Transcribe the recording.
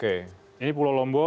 ini pulau lombok